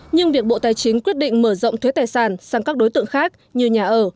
nhưng việc bộ tài chính quyết định mở rộng thuế tài sản sang các đối tượng khác như nhà ở